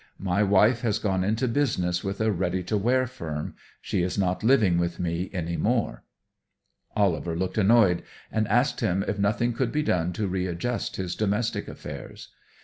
"My wife has gone into business with a ready to wear firm. She is not living with me any more." Oliver looked annoyed, and asked him if nothing could be done to readjust his domestic affairs.